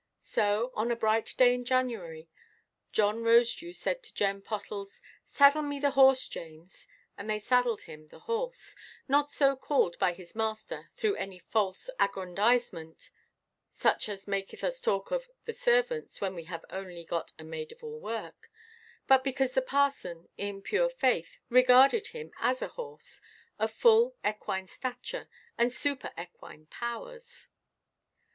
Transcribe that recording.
So, on a bright day in January, John Rosedew said to Jem Pottles, "Saddle me the horse, James." And they saddled him the "horse"—not so called by his master through any false aggrandisement (such as maketh us talk of "the servants," when we have only got a maid–of–all–work), but because the parson, in pure faith, regarded him as a horse of full equine stature and super–equine powers.